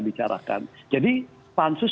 bicarakan jadi pansus